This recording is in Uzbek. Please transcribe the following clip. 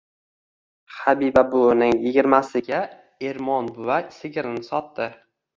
Habiba buvining yigirmasiga Ermon buva sigirini sotdi.